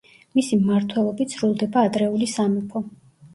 მისი მმართველობით სრულდება ადრეული სამეფო.